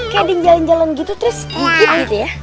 kayak ding jalan jalan gitu terus gigit gitu ya